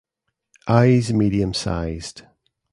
Eyes medium sized.